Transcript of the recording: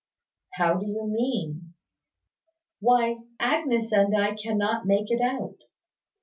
"How do you mean?" "Why, Agnes and I cannot make it out.